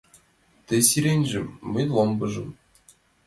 Тый сиреньжым, мый ломбыжым